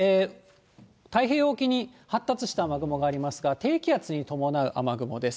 太平洋沖に発達した雨雲がありますから、低気圧に伴う雨雲です。